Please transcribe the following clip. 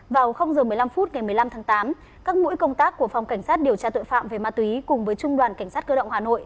vào h một mươi năm phút ngày một mươi năm tháng tám các mũi công tác của phòng cảnh sát điều tra tội phạm về ma túy cùng với trung đoàn cảnh sát cơ động hà nội